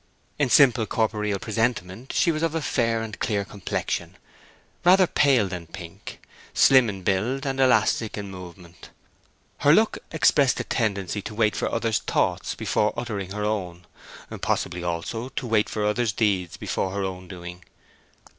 In simple corporeal presentment she was of a fair and clear complexion, rather pale than pink, slim in build and elastic in movement. Her look expressed a tendency to wait for others' thoughts before uttering her own; possibly also to wait for others' deeds before her own doing.